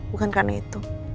bukan karena itu